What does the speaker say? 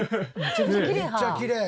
めっちゃきれい！